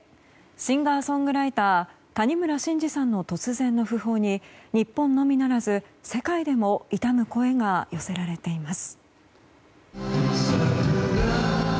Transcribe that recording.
シンガーソングライター谷村新司さんの突然の訃報に日本のみならず、世界でも悼む声が寄せられています。